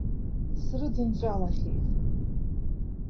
Срыдынҵәалахьеит!